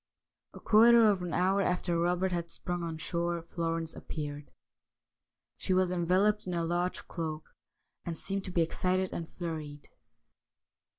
A quarter of an. hour after Robert had sprung on shore Florence appeared. She was enveloped in a large cloak, and seemed to be excited and flurried.